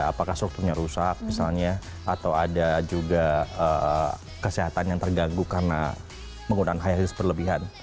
apakah strukturnya rusak misalnya atau ada juga kesehatan yang terganggu karena menggunakan high heels berlebihan